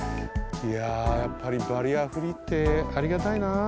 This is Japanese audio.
いややっぱりバリアフリーってありがたいな。